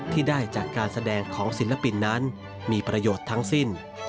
ที่ได้จากการแสดงของศิลปินนั้นมีประโยชน์ทั้งสิ้น